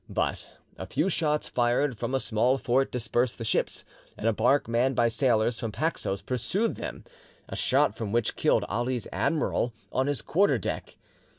But a few shots fired from a small fort dispersed the ships, and a barque manned by sailors from Paxos pursued them, a shot from which killed Ali's admiral on his quarter deck.